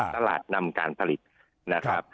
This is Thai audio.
นำการผลิตนะครับ